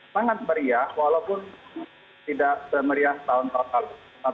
sangat meriah walaupun tidak semeriah tahun tahun lalu